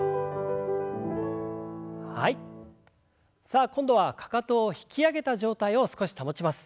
さあ今度はかかとを引き上げた状態を少し保ちます。